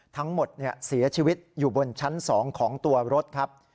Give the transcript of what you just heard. ทั้งหมดเสียชีวิตอยู่บนชั้น๒ของตัวรถครับ